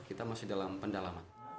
kita masih dalam pendalaman